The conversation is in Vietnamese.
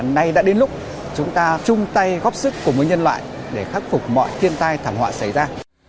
nay đã đến lúc chúng ta chung tay góp sức cùng với nhân loại để khắc phục mọi thiên tai thảm họa xảy ra